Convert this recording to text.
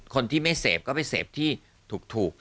คนที่ไม่เสพก็ไปเสพที่ถูก